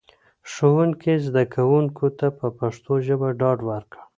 ښوونکي زده کوونکو ته په پښتو ژبه ډاډ ورکړ.